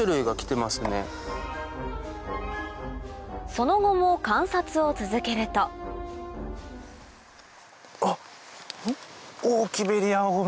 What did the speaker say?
その後も観察を続けるとあっ！